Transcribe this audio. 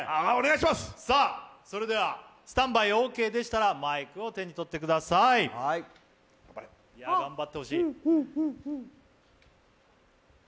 それではスタンバイオーケーでしたら、マイクを手に取ってください頑張ってほしい。